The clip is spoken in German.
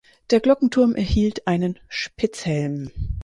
Der Glockenturm erhielt einen Spitzhelm.